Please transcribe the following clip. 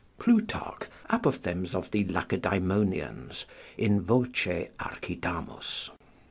[Plutarch, Apoth. of the Lacedaemonians, 'in voce' Archidamus.